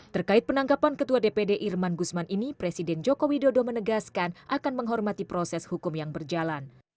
terkait penangkapan ketua dpd irman gusman ini presiden joko widodo menegaskan akan menghormati proses hukum yang berjalan